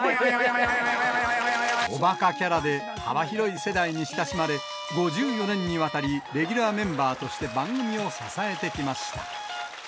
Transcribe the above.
おバカキャラで幅広い世代に親しまれ、５４年にわたり、レギュラーメンバーとして番組を支えてきました。